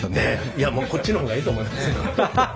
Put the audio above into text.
いやこっちの方がええと思いますよ。